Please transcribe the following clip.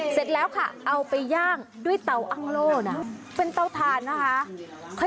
เสร็จแล้วค่ะเอาไปย่างด้วยเตาอ้างโล่นะเป็นเตาทานนะคะ